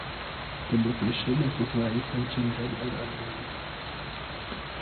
The location of his wife and children are unknown.